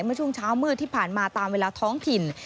เมื่อช่วงเช้ามืดที่ผ่านมาตามเวลาท้องถิ่น